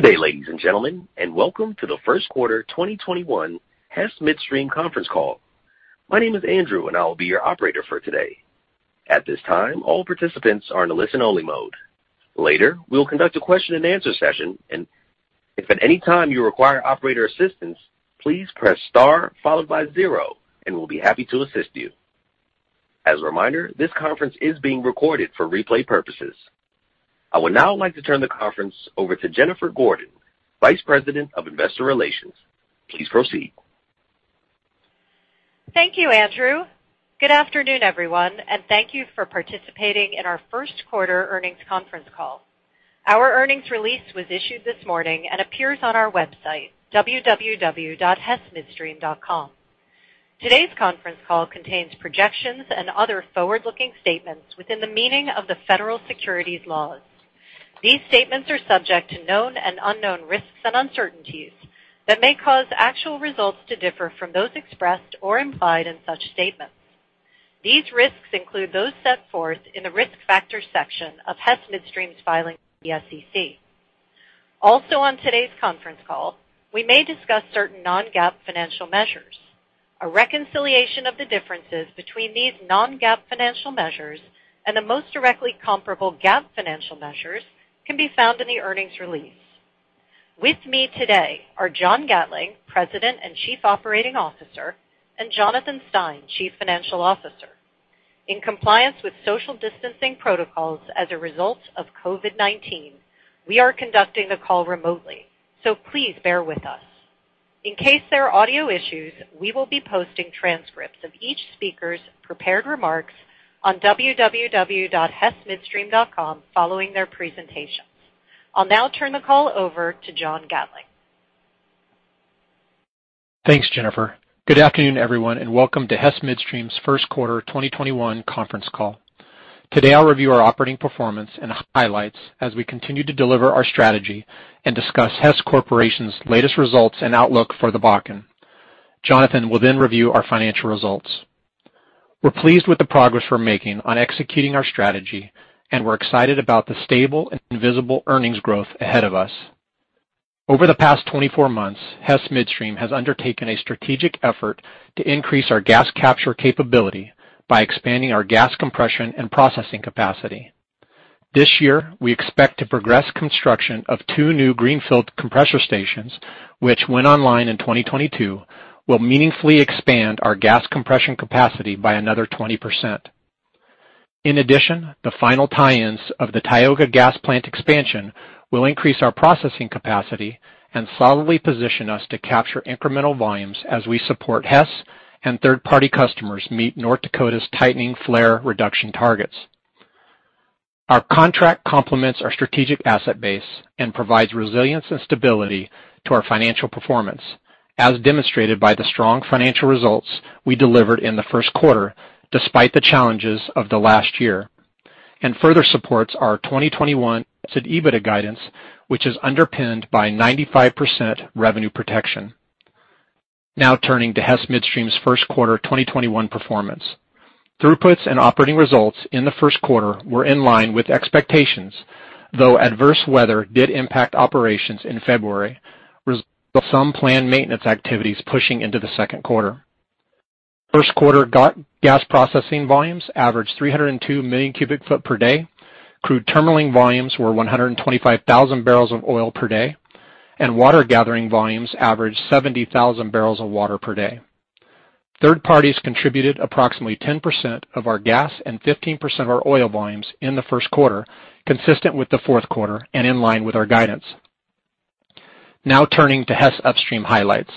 Good day, ladies and gentlemen, welcome to the first quarter 2021 Hess Midstream conference call. My name is Andrew, and I will be your operator for today. At this time, all participants are in a listen-only mode. Later, we will conduct a question and answer session. If at any time you require operator assistance, please press star followed by zero, and we'll be happy to assist you. As a reminder, this conference is being recorded for replay purposes. I would now like to turn the conference over to Jennifer Gordon, Vice President of Investor Relations. Please proceed. Thank you, Andrew. Good afternoon, everyone, thank you for participating in our first quarter earnings conference call. Our earnings release was issued this morning and appears on our website, www.hessmidstream.com. Today's conference call contains projections and other forward-looking statements within the meaning of the federal securities laws. These statements are subject to known and unknown risks and uncertainties that may cause actual results to differ from those expressed or implied in such statements. These risks include those set forth in the risk factor section of Hess Midstream's filing with the SEC. Also, on today's conference call, we may discuss certain non-GAAP financial measures. A reconciliation of the differences between these non-GAAP financial measures and the most directly comparable GAAP financial measures can be found in the earnings release. With me today are John Gatling, President and Chief Operating Officer, and Jonathan Stein, Chief Financial Officer. In compliance with social distancing protocols as a result of COVID-19, we are conducting the call remotely. Please bear with us. In case there are audio issues, we will be posting transcripts of each speaker's prepared remarks on www.hessmidstream.com following their presentations. I'll now turn the call over to John Gatling. Thanks, Jennifer. Good afternoon, everyone, welcome to Hess Midstream's first quarter 2021 conference call. Today, I'll review our operating performance and highlights as we continue to deliver our strategy and discuss Hess Corporation's latest results and outlook for the Bakken. Jonathan will review our financial results. We're pleased with the progress we're making on executing our strategy. We're excited about the stable and visible earnings growth ahead of us. Over the past 24 months, Hess Midstream has undertaken a strategic effort to increase our gas capture capability by expanding our gas compression and processing capacity. This year, we expect to progress construction of two new greenfield compressor stations, which, when online in 2022, will meaningfully expand our gas compression capacity by another 20%. In addition, the final tie-ins of the Tioga Gas Plant expansion will increase our processing capacity and solidly position us to capture incremental volumes as we support Hess and third-party customers meet North Dakota's tightening flare reduction targets. Our contract complements our strategic asset base and provides resilience and stability to our financial performance, as demonstrated by the strong financial results we delivered in the first quarter despite the challenges of the last year, and further supports our 2021 adjusted EBITDA guidance, which is underpinned by 95% revenue protection. Turning to Hess Midstream's first quarter 2021 performance. Throughputs and operating results in the first quarter were in line with expectations, though adverse weather did impact operations in February, resulting in some planned maintenance activities pushing into the second quarter. First quarter gas processing volumes averaged 302 million cubic foot per day. Crude terminaling volumes were 125 thousand barrels of oil per day, and water gathering volumes averaged 70 thousand barrels of water per day. Third parties contributed approximately 10% of our gas and 15% of our oil volumes in the first quarter, consistent with the fourth quarter and in line with our guidance. Turning to Hess upstream highlights.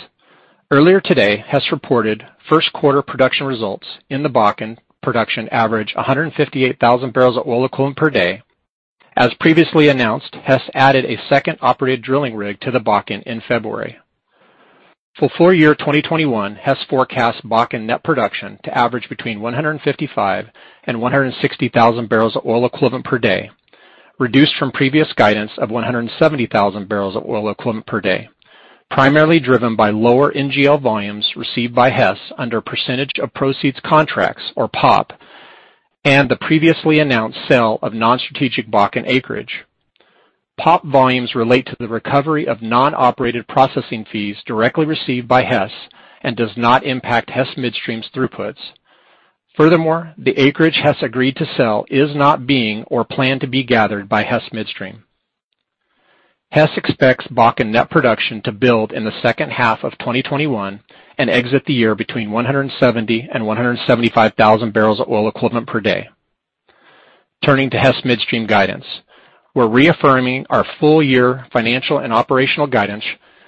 Earlier today, Hess reported first quarter production results in the Bakken production average 158 thousand barrels of oil equivalent per day. As previously announced, Hess added a second operated drilling rig to the Bakken in February. For full year 2021, Hess forecasts Bakken net production to average between 155 and 160 thousand barrels of oil equivalent per day, reduced from previous guidance of 170 thousand barrels of oil equivalent per day, primarily driven by lower NGL volumes received by Hess under percentage of proceeds contracts, or POP, and the previously announced sale of non-strategic Bakken acreage. POP volumes relate to the recovery of non-operated processing fees directly received by Hess and does not impact Hess Midstream's throughputs. Furthermore, the acreage Hess agreed to sell is not being or planned to be gathered by Hess Midstream. Hess expects Bakken net production to build in the second half of 2021 and exit the year between 170 and 175 thousand barrels of oil equivalent per day. Turning to Hess Midstream guidance. We're reaffirming our full year financial and operational guidance,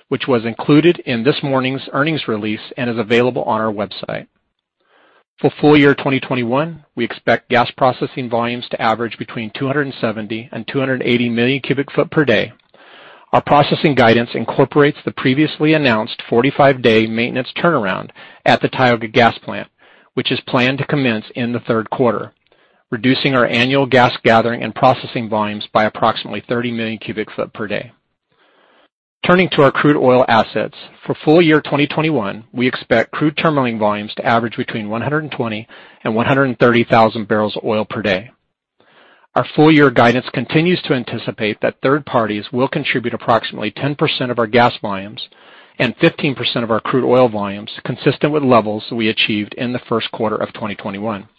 which was included in this morning's earnings release and is available on our website. For full year 2021, we expect gas processing volumes to average between 270 and 280 million cubic foot per day. Our processing guidance incorporates the previously announced 45-day maintenance turnaround at the Tioga Gas Plant, which is planned to commence in the third quarter, reducing our annual gas gathering and processing volumes by approximately 30 million cubic foot per day. Turning to our crude oil assets. For full year 2021, we expect crude terminaling volumes to average between 120 and 130 thousand barrels of oil per day. Our full year guidance continues to anticipate that third parties will contribute approximately 10% of our gas volumes and 15% of our crude oil volumes, consistent with levels we achieved in the first quarter of 2021.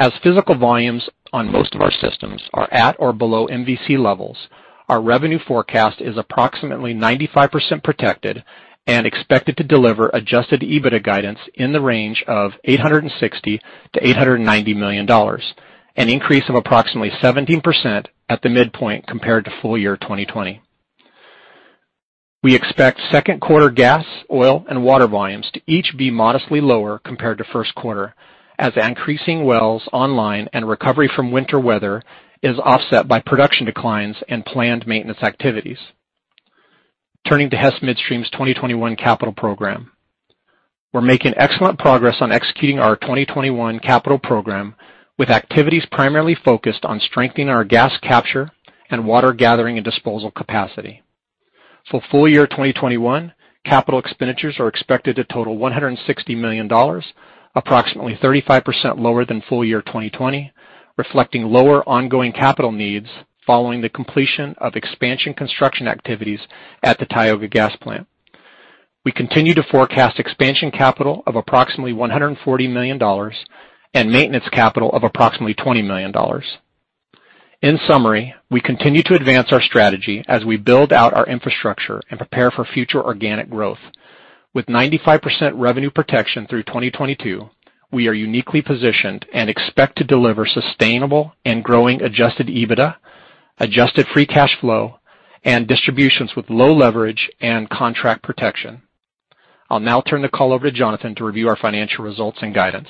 As physical volumes on most of our systems are at or below MVC levels, our revenue forecast is approximately 95% protected and expected to deliver adjusted EBITDA guidance in the range of $860 million-$890 million, an increase of approximately 17% at the midpoint compared to full year 2020. We expect second quarter gas, oil, and water volumes to each be modestly lower compared to first quarter, as increasing wells online and recovery from winter weather is offset by production declines and planned maintenance activities. Turning to Hess Midstream's 2021 capital program. We are making excellent progress on executing our 2021 capital program, with activities primarily focused on strengthening our gas capture and water gathering and disposal capacity. For full year 2021, capital expenditures are expected to total $160 million, approximately 35% lower than full year 2020, reflecting lower ongoing capital needs following the completion of expansion construction activities at the Tioga Gas Plant. We continue to forecast expansion capital of approximately $140 million and maintenance capital of approximately $20 million. In summary, we continue to advance our strategy as we build out our infrastructure and prepare for future organic growth. With 95% revenue protection through 2022, we are uniquely positioned and expect to deliver sustainable and growing adjusted EBITDA, adjusted free cash flow, and distributions with low leverage and contract protection. I will now turn the call over to Jonathan to review our financial results and guidance.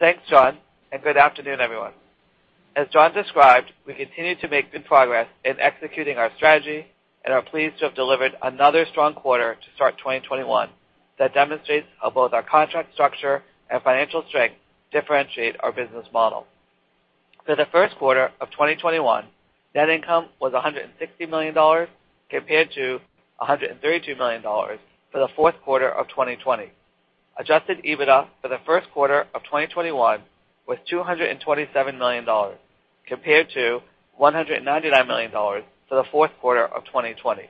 Thanks, John, and good afternoon, everyone. As John described, we continue to make good progress in executing our strategy and are pleased to have delivered another strong quarter to start 2021 that demonstrates how both our contract structure and financial strength differentiate our business model. For the first quarter of 2021, net income was $160 million, compared to $132 million for the fourth quarter of 2020. Adjusted EBITDA for the first quarter of 2021 was $227 million, compared to $199 million for the fourth quarter of 2020.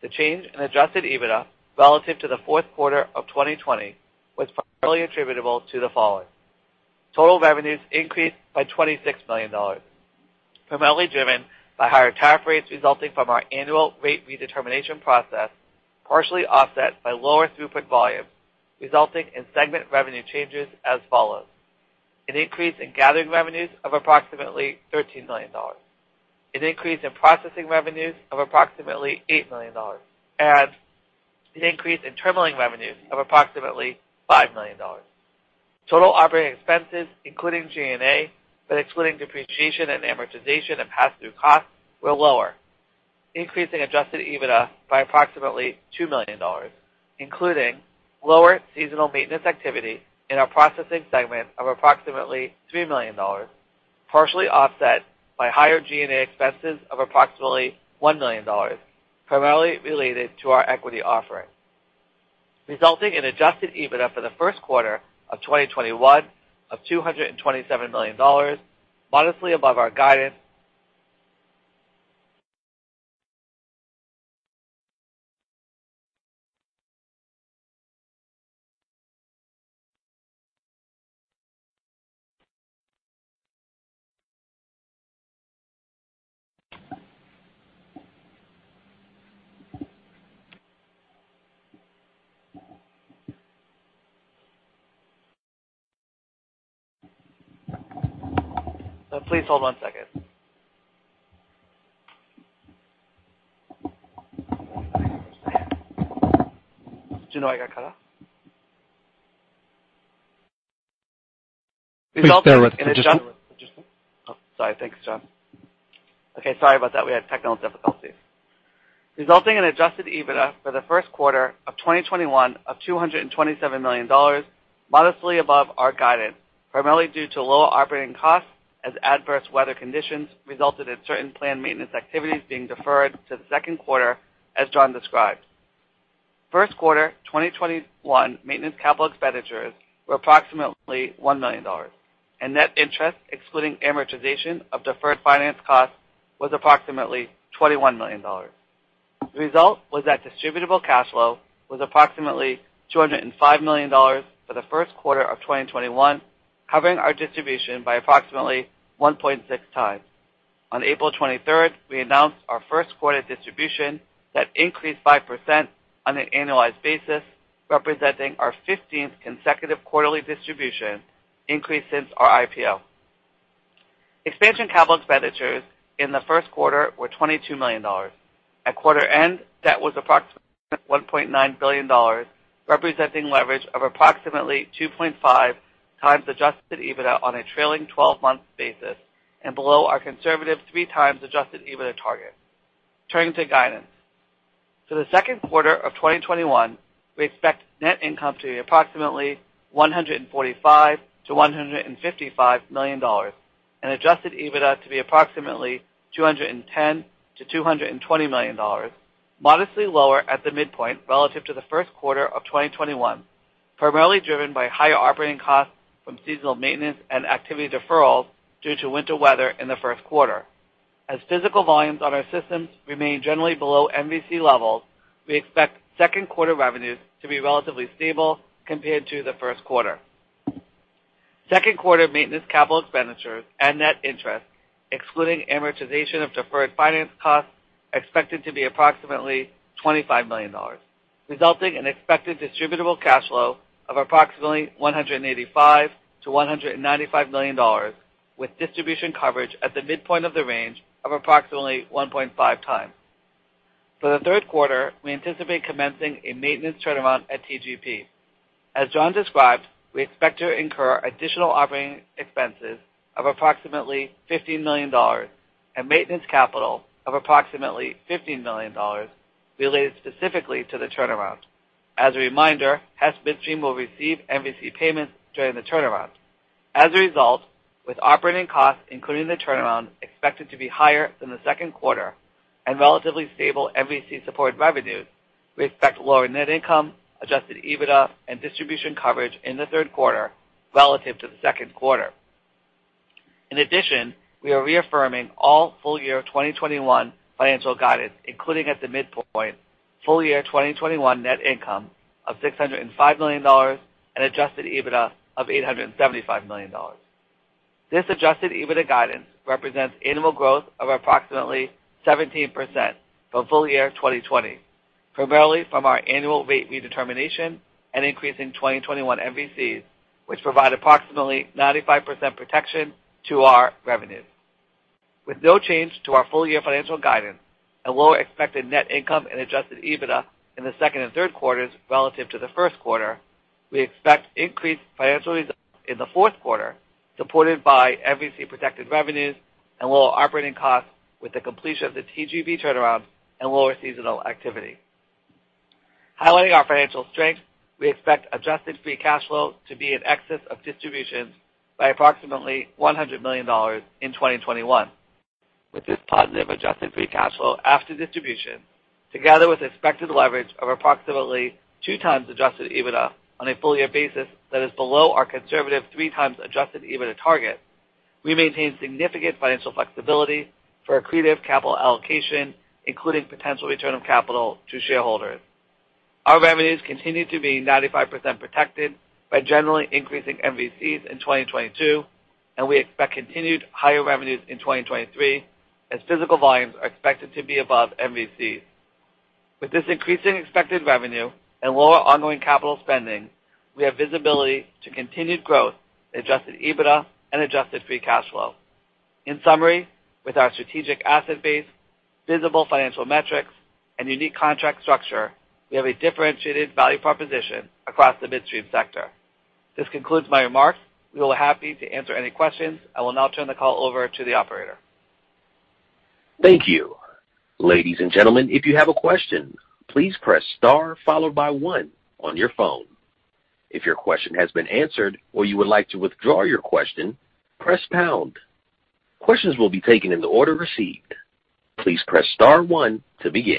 The change in adjusted EBITDA relative to the fourth quarter of 2020 was primarily attributable to the following. Total revenues increased by $26 million, primarily driven by higher tariff rates resulting from our annual rate redetermination process, partially offset by lower throughput volume, resulting in segment revenue changes as follows. An increase in gathering revenues of approximately $13 million, an increase in processing revenues of approximately $8 million, and an increase in terminaling revenues of approximately $5 million. Total operating expenses, including G&A, but excluding depreciation and amortization and pass-through costs, were lower, increasing adjusted EBITDA by approximately $2 million, including lower seasonal maintenance activity in our processing segment of approximately $3 million, partially offset by higher G&A expenses of approximately $1 million, primarily related to our equity offering. Resulting in adjusted EBITDA for the first quarter of 2021 of $227 million, modestly above our guidance. Please hold one second. Juno, I got cut off. Please bear with us just. Oh, sorry. Thanks, John. Okay, sorry about that. We had technical difficulties. Resulting in adjusted EBITDA for the first quarter of 2021 of $227 million, modestly above our guidance, primarily due to lower operating costs as adverse weather conditions resulted in certain planned maintenance activities being deferred to the second quarter, as John described. First quarter 2021 maintenance capital expenditures were approximately $1 million, and net interest, excluding amortization of deferred finance costs, was approximately $21 million. The result was that distributable cash flow was approximately $205 million for the first quarter of 2021, covering our distribution by approximately 1.6 times. On April 23rd, we announced our first quarter distribution that increased 5% on an annualized basis, representing our 15th consecutive quarterly distribution increase since our IPO. Expansion capital expenditures in the first quarter were $22 million. At quarter end, debt was approximately $1.9 billion, representing leverage of approximately 2.5 times adjusted EBITDA on a trailing 12-month basis and below our conservative three times adjusted EBITDA target. Turning to guidance. For the second quarter of 2021, we expect net income to be approximately $145 million-$155 million and adjusted EBITDA to be approximately $210 million-$220 million, modestly lower at the midpoint relative to the first quarter of 2021, primarily driven by higher operating costs from seasonal maintenance and activity deferrals due to winter weather in the first quarter. As physical volumes on our systems remain generally below MVC levels, we expect second quarter revenues to be relatively stable compared to the first quarter. Second quarter maintenance capital expenditures and net interest, excluding amortization of deferred finance costs, expected to be approximately $25 million, resulting in expected distributable cash flow of approximately $185 million-$195 million, with distribution coverage at the midpoint of the range of approximately 1.5 times. For the third quarter, we anticipate commencing a maintenance turnaround at TGP. As John described, we expect to incur additional operating expenses of approximately $15 million and maintenance capital of approximately $15 million related specifically to the turnaround. As a reminder, Hess Midstream will receive MVC payments during the turnaround. As a result, with operating costs, including the turnaround, expected to be higher than the second quarter and relatively stable MVC-supported revenues, we expect lower net income, adjusted EBITDA, and distribution coverage in the third quarter relative to the second quarter. In addition, we are reaffirming all full year 2021 financial guidance, including at the midpoint full year 2021 net income of $605 million and adjusted EBITDA of $875 million. This adjusted EBITDA guidance represents annual growth of approximately 17% from full year 2020, primarily from our annual rate redetermination and increase in 2021 MVCs, which provide approximately 95% protection to our revenues. With no change to our full-year financial guidance and lower expected net income and adjusted EBITDA in the second and third quarters relative to the first quarter, we expect increased financial results in the fourth quarter, supported by MVC-protected revenues and lower operating costs with the completion of the TGP turnaround and lower seasonal activity. Highlighting our financial strength, we expect adjusted free cash flow to be in excess of distributions by approximately $100 million in 2021. With this positive adjusted free cash flow after distribution, together with expected leverage of approximately 2 times adjusted EBITDA on a full year basis that is below our conservative 3 times adjusted EBITDA target, we maintain significant financial flexibility for accretive capital allocation, including potential return of capital to shareholders. Our revenues continue to be 95% protected by generally increasing MVCs in 2022, and we expect continued higher revenues in 2023 as physical volumes are expected to be above MVCs. With this increasing expected revenue and lower ongoing capital spending, we have visibility to continued growth in adjusted EBITDA and adjusted free cash flow. In summary, with our strategic asset base, visible financial metrics, and unique contract structure, we have a differentiated value proposition across the midstream sector. This concludes my remarks. We will be happy to answer any questions. I will now turn the call over to the operator. Thank you. Ladies and gentlemen, if you have a question, please press star followed by one on your phone. If your question has been answered or you would like to withdraw your question, press pound. Questions will be taken in the order received. Please press star one to begin.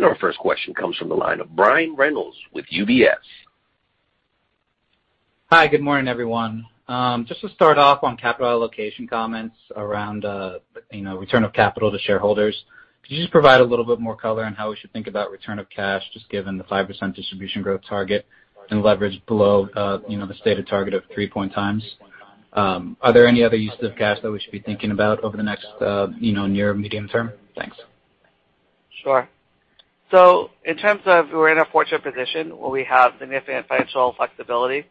Our first question comes from the line of Brian Reynolds with UBS. Hi. Good morning, everyone. Just to start off on capital allocation comments around return of capital to shareholders, could you just provide a little bit more color on how we should think about return of cash, just given the 5% distribution growth target and leverage below the stated target of 3 times? Are there any other uses of cash that we should be thinking about over the next near-medium term? Thanks. Sure. In terms of we're in a fortunate position where we have significant financial flexibility,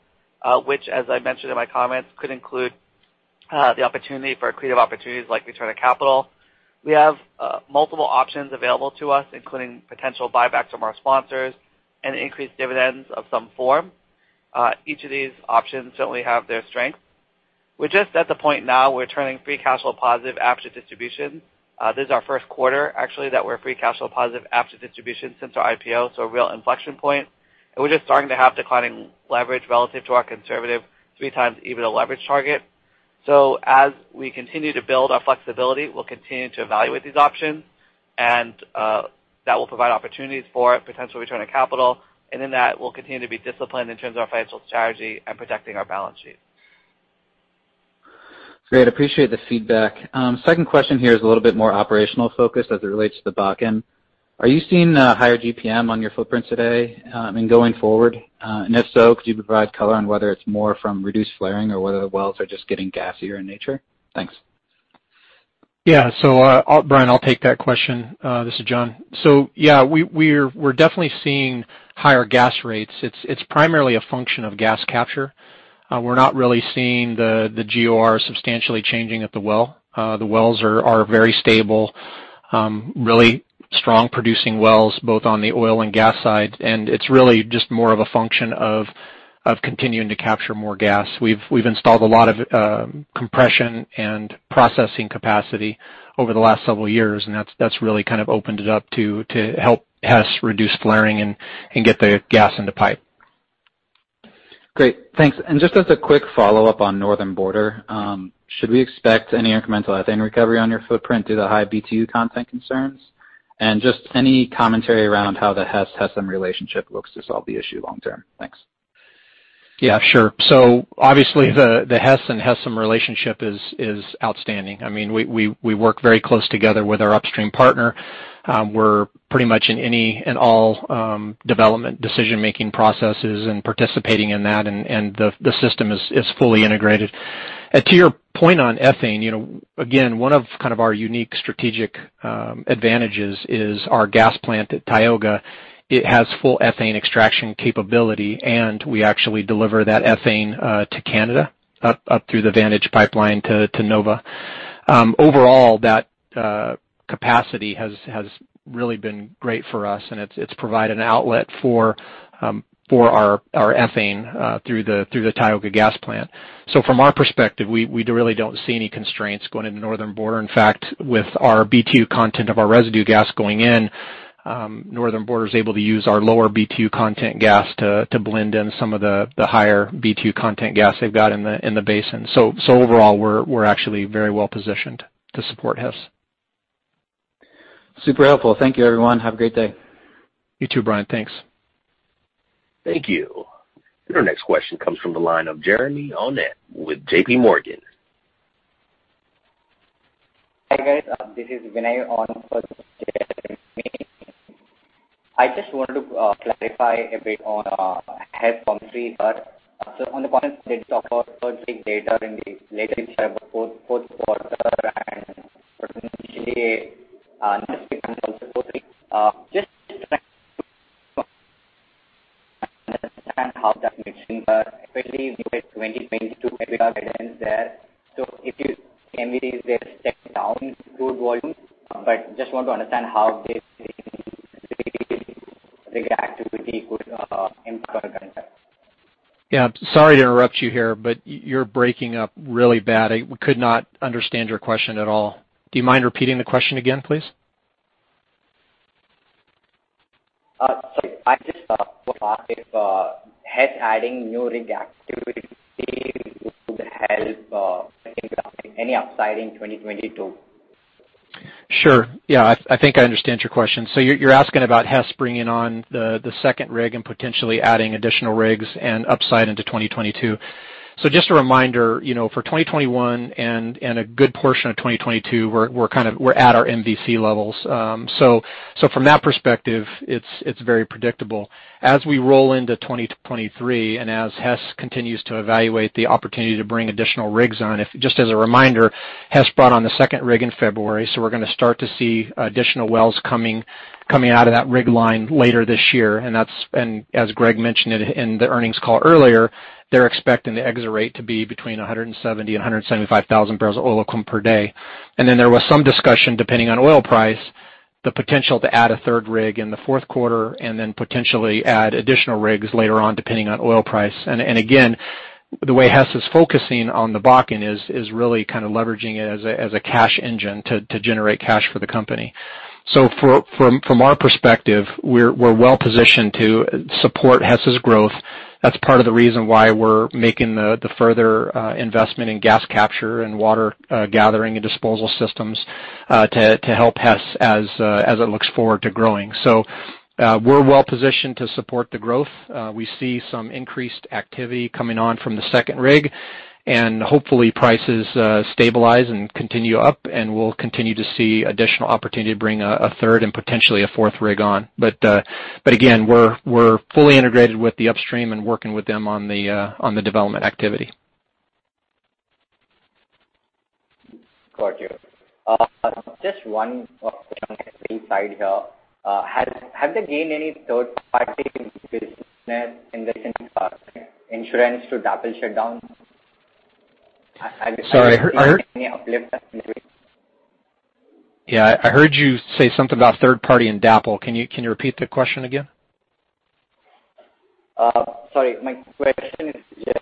which as I mentioned in my comments, could include the opportunity for accretive opportunities like return of capital. We have multiple options available to us, including potential buybacks from our sponsors and increased dividends of some form. Each of these options certainly have their strengths. We're just at the point now we're turning free cash flow positive after distribution. This is our first quarter, actually, that we're free cash flow positive after distribution since our IPO, so a real inflection point. We're just starting to have declining leverage relative to our conservative 3 times EBITDA leverage target. As we continue to build our flexibility, we'll continue to evaluate these options, and that will provide opportunities for potential return of capital. In that, we'll continue to be disciplined in terms of our financial strategy and protecting our balance sheet. Great. Appreciate the feedback. Second question here is a little bit more operational focused as it relates to the Bakken. Are you seeing a higher GPM on your footprints today and going forward? If so, could you provide color on whether it's more from reduced flaring or whether the wells are just getting gassier in nature? Thanks. Yeah. Brian, I'll take that question. This is John. Yeah, we're definitely seeing higher gas rates. It's primarily a function of gas capture. We're not really seeing the GOR substantially changing at the well. The wells are very stable, really strong producing wells, both on the oil and gas side. It's really just more of a function of continuing to capture more gas. We've installed a lot of compression and processing capacity over the last several years. That's really kind of opened it up to help Hess reduce flaring and get the gas into pipe. Great. Thanks. Just as a quick follow-up on Northern Border, should we expect any incremental ethane recovery on your footprint due to high BTU content concerns? Just any commentary around how the Hess and Hess Midstream relationship looks to solve the issue long term. Thanks. Yeah, sure. Obviously the Hess and Hess Midstream relationship is outstanding. We work very close together with our upstream partner. We're pretty much in any and all development decision-making processes and participating in that, the system is fully integrated. To your point on ethane, again, one of our unique strategic advantages is our gas plant at Tioga. It has full ethane extraction capability, we actually deliver that ethane to Canada up through the Vantage Pipeline to NOVA Chemicals. Overall, that capacity has really been great for us, it's provided an outlet for our ethane through the Tioga Gas Plant. From our perspective, we really don't see any constraints going into Northern Border. In fact, with our BTU content of our residue gas going in, Northern Border is able to use our lower BTU content gas to blend in some of the higher BTU content gas they've got in the basin. Overall, we're actually very well-positioned to support Hess. Super helpful. Thank you, everyone. Have a great day. You too, Brian. Thanks. Thank you. Our next question comes from the line of Jeremy Tonet with JPMorgan. Hi, guys. This is Vinay on for Jeremy. I just wanted to clarify a bit on Hess commentary here. On the conference, they talk about third rig data in the later fourth quarter, potentially next year comes also fourth rig. Just trying to understand how that mixing are effectively related 2022 guidance there. MV is there step down crude volume? Just want to understand how this rig activity could impact that. Yeah. Sorry to interrupt you here, you're breaking up really bad. I could not understand your question at all. Do you mind repeating the question again, please? Sorry. I just want to ask if Hess adding new rig activity would help any upside in 2022. Sure. Yeah, I think I understand your question. You're asking about Hess bringing on the second rig and potentially adding additional rigs and upside into 2022. Just a reminder, for 2021 and a good portion of 2022, we're at our MVC levels. From that perspective, it's very predictable. As we roll into 2023, as Hess continues to evaluate the opportunity to bring additional rigs on, if just as a reminder, Hess brought on the second rig in February, we're going to start to see additional wells coming out of that rig line later this year. As Greg mentioned in the earnings call earlier, they're expecting the exit rate to be between 170,000 and 175,000 barrels of oil equivalent per day. There was some discussion, depending on oil price, the potential to add a third rig in the fourth quarter, and then potentially add additional rigs later on, depending on oil price. Again, the way Hess is focusing on the Bakken is really kind of leveraging it as a cash engine to generate cash for the company. From our perspective, we're well-positioned to support Hess's growth. That's part of the reason why we're making the further investment in gas capture and water gathering and disposal systems, to help Hess as it looks forward to growing. We're well-positioned to support the growth. We see some increased activity coming on from the second rig, and hopefully prices stabilize and continue up, and we'll continue to see additional opportunity to bring a third and potentially a fourth rig on. Again, we're fully integrated with the upstream and working with them on the development activity. Got you. Just one question on the free side here. Have they gained any third-party business in the insurance to DAPL shutdown? Sorry. Any uplift activity? Yeah, I heard you say something about third-party and DAPL. Can you repeat the question again? Sorry, my question is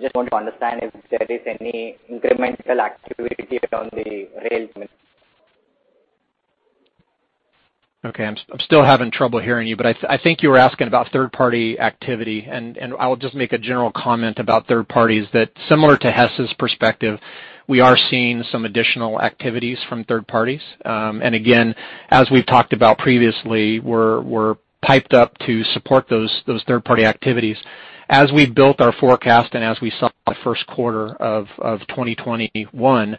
just want to understand if there is any incremental activity around the rails mix. Okay. I'm still having trouble hearing you, but I think you were asking about third-party activity. I'll just make a general comment about third parties that similar to Hess's perspective, we are seeing some additional activities from third parties. Again, as we've talked about previously, we're piped up to support those third-party activities. As we built our forecast, and as we saw first quarter of 2021,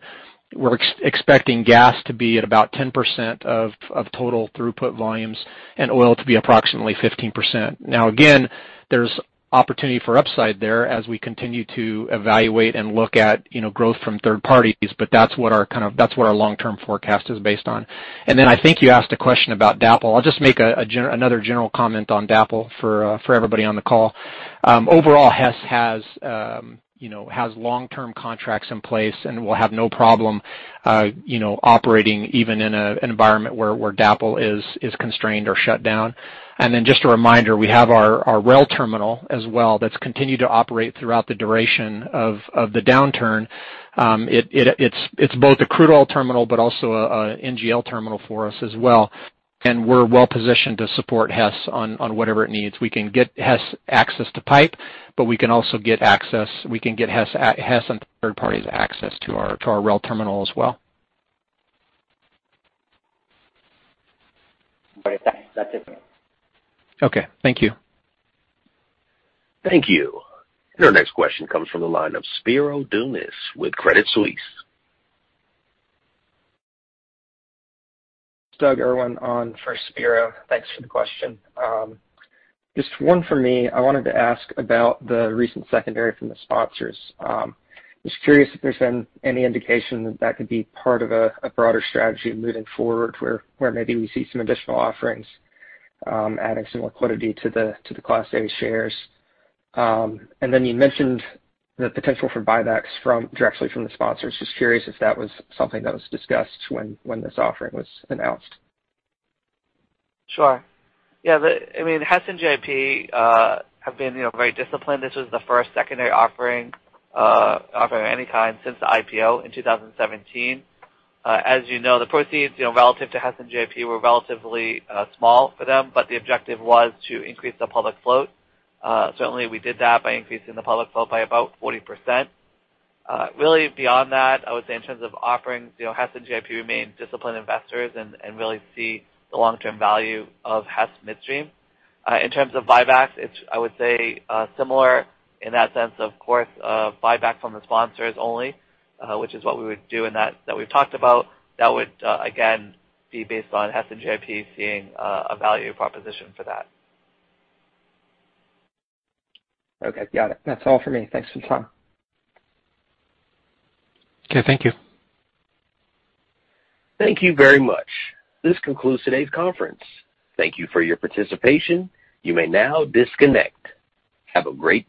we're expecting gas to be at about 10% of total throughput volumes and oil to be approximately 15%. Now again, there's opportunity for upside there as we continue to evaluate and look at growth from third parties, but that's what our long-term forecast is based on. I think you asked a question about DAPL. I'll just make another general comment on DAPL for everybody on the call. Overall, Hess has long-term contracts in place and will have no problem operating even in an environment where DAPL is constrained or shut down. Just a reminder, we have our rail terminal as well that's continued to operate throughout the duration of the downturn. It's both a crude oil terminal, but also an NGL terminal for us as well, and we're well-positioned to support Hess on whatever it needs. We can get Hess access to pipe, but we can also get Hess and third parties access to our rail terminal as well. Great. Thanks. That's it for me. Okay. Thank you. Thank you. Your next question comes from the line of Spiro Dounis with Credit Suisse. Douglas Irwin on for Spiro. Thanks for the question. Just one from me. I wanted to ask about the recent secondary from the sponsors. Just curious if there's any indication that that could be part of a broader strategy moving forward, where maybe we see some additional offerings adding some liquidity to the Class A shares. You mentioned the potential for buybacks directly from the sponsors. Just curious if that was something that was discussed when this offering was announced. Sure. Yeah, Hess and GIP have been very disciplined. This was the first secondary offering of any kind since the IPO in 2017. As you know, the proceeds relative to Hess and GIP were relatively small for them, but the objective was to increase the public float. Certainly, we did that by increasing the public float by about 40%. Really beyond that, I would say in terms of offerings, Hess and GIP remain disciplined investors and really see the long-term value of Hess Midstream. In terms of buybacks, I would say similar in that sense, of course, buyback from the sponsors only, which is what we would do in that we've talked about. That would, again, be based on Hess and GIP seeing a value proposition for that. Okay, got it. That's all for me. Thanks for the time. Okay, thank you. Thank you very much. This concludes today's conference. Thank you for your participation. You may now disconnect. Have a great day.